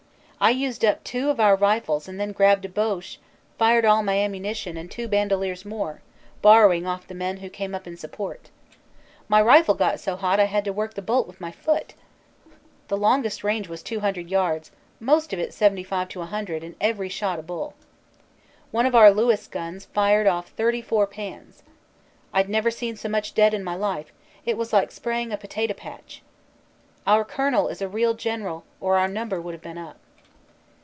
I used up two of our rifles and then grabbed a Boche fired all my ammunition and two bandoliers more, borrowing off the men who came up in support. My rifle got so hot I had to work the bolt with my foot. The longest range was two hundred yards, most of it seventy five to a hundred and every shot a bull. One of our Lewis guns fired off thirty four pans. I d never seen so many dead in my life; it was like spraying a potato patch. Our colonel is a real general or our number would have been up.